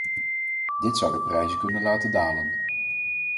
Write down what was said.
Dit zou de prijzen kunnen laten dalen.